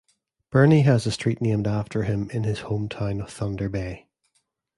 Burney has a street named after him in his home town of Thunder Bay.